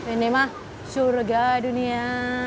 ini mah syurga dunia